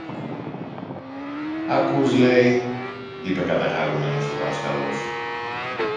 Ακούς λέει! είπε καταχαρούμενος ο δάσκαλος.